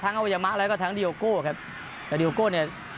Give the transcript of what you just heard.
ทั้งเอายาม่าแล้วก็ทั้งดีโยโกครับแต่ดีโยโกเนี่ย